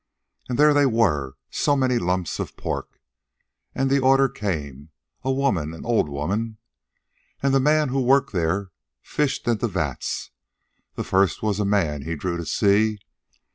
And there they were, so many lumps of pork. And the order came, 'A woman; an old woman.' And the man who worked there fished in the vats. The first was a man he drew to see.